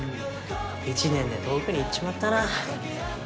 １年で遠くに行っちまったな。